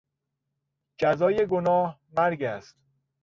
جزای گناه، مرگ است.